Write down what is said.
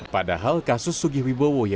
padahal kasus sugih wibowo yang dikonsumsi